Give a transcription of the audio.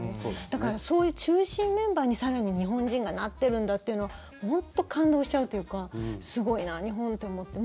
だから、そういう中心メンバーに更に、日本人がなってるんだっていうのは感動しちゃうっていうかすごいな日本って思って。